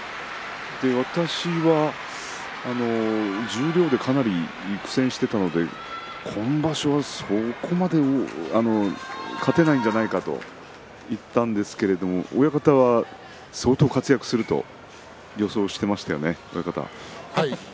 私は十両でかなり苦戦していたので今場所はそこまで勝てないんじゃないかと言ったんですけれども親方は相当活躍すると予想していましたよね。